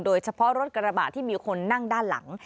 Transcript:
โดยเฉพาะรถกระบะที่มีคนนั่งด้านหลัง